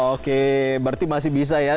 oke berarti masih bisa ya